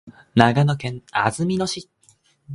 長野県安曇野市